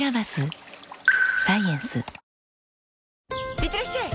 いってらっしゃい！